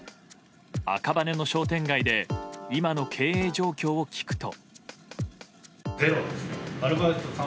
赤羽の商店街で今の経営状況を聞くと。